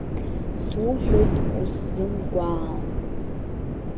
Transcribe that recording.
Суҳәоит усзымгәаан.